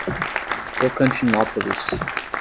Tocantinópolis